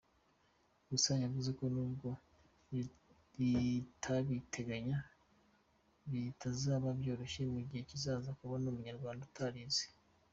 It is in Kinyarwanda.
Gusa yavuze ko n’ubwo ritabiteganya bitazaba byoroshye mu gihe kizaza kubona Umunyarwanda utarize.